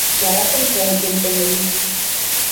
Яратым тӓнгем тӹньӹ лиц.